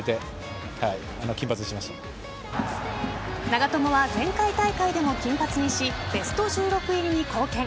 長友は前回大会でも金髪にしベスト１６入りに貢献。